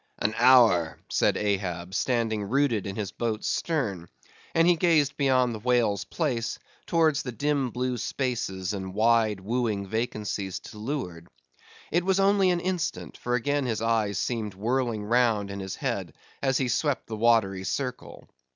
"An hour," said Ahab, standing rooted in his boat's stern; and he gazed beyond the whale's place, towards the dim blue spaces and wide wooing vacancies to leeward. It was only an instant; for again his eyes seemed whirling round in his head as he swept the watery circle.